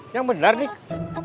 yang benar nih